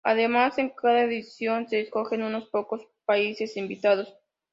Además, en cada edición, se escogen unos pocos países invitados.